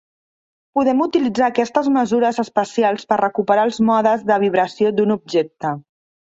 Podem utilitzar aquestes mesures espacials per recuperar els modes de vibració d'un objecte.